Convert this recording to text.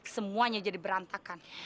semuanya jadi berantakan